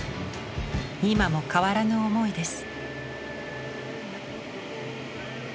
今も変わらぬ思いです。